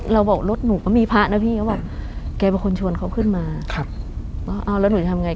เราบอกรถหนูก็มีพระนะพี่เขาบอกแกเป็นคนชวนเขาขึ้นมาแล้วหนูจะทำยังไง